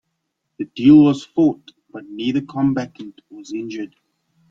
The duel was fought, but neither combatant was injured.